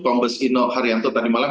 kombes ino haryanto tadi malam